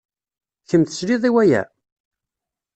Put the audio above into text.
Kemm tesliḍ i waya?